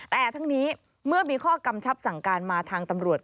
แต่ทั้งนี้เมื่อมีข้อกำชับสั่งการมาทางตำรวจ